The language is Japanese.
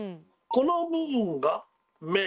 この部分が「目」